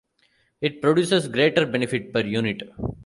It produces greater benefit per unit.